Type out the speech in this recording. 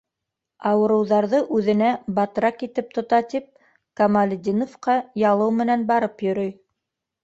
Ауырыуҙарҙы үҙенә батрак итеп тота тип, Камалетдиновҡа ялыу менән барып йөрөй.